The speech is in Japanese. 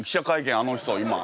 あの人今。